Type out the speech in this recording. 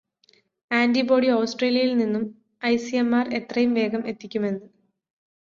antibody ആസ്ട്രേലിയയില് നിന്നും ICMR എത്രയും വേഗം എത്തിക്കുമെന്ന്